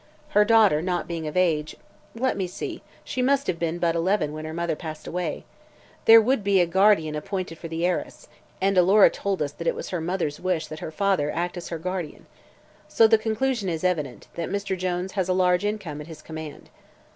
Her daughter not being of age let me see: she must have been but eleven when her mother passed away there would be a guardian appointed for the heiress, and Alora told us that it was her mother's wish that her father act as her guardian. So the conclusion is evident that Mr. Jones has a large income at his command."